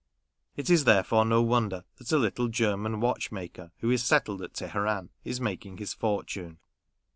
It is therefore no wonder that a little German watchmaker, who is settled at Teheran, is making his fortune.